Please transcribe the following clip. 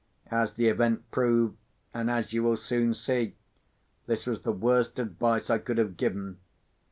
As the event proved, and as you will soon see, this was the worst advice I could have given.